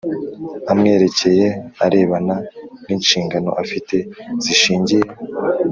Amwerekeye arebana n inshingano afite zishingiye